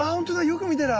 よく見たら。